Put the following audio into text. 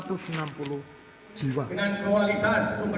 dengan kualitas sumber daya manusia